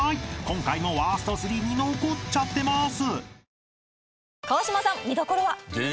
［今回もワースト３に残っちゃってます］